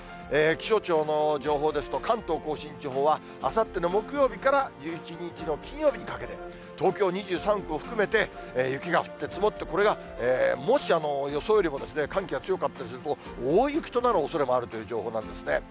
気象庁の情報ですと、関東甲信地方は、あさっての木曜日から１１日の金曜日にかけて、東京２３区を含めて雪が降って積もって、これがもし予想よりも寒気が強かったりすると、大雪となるおそれもあるという情報なんですね。